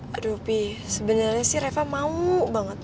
aduh pi sebenarnya sih reva mau banget banget